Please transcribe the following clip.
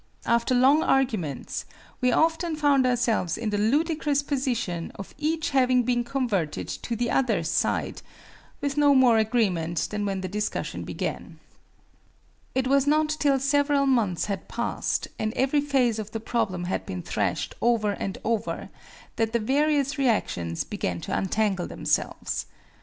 After long arguments we often found ourselves in the ludicrous position of each having been converted to the other's side, with no more agreement than when the discussion began. It was not till several months had passed, and every phase of the problem had been thrashed over and over, that the various reactions began to untangle themselves.